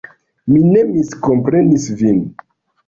Mi ne miskomprenis vin.